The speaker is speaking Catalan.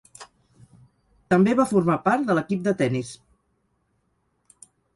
També va formar part de l'equip de tenis.